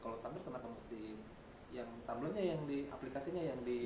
kalau tumblr kenapa mesti yang tumblrnya yang aplikasinya yang di